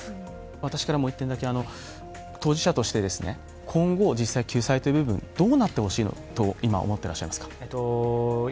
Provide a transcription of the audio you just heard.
私からもう一点だけ当事者として、今後、実際救済という部分どうなってほしいなと今思っていらっしゃいますか？